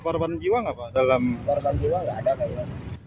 korban jiwa nggak ada pak